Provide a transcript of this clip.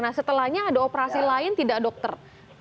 nah setelahnya ada operasi lain tidak dokter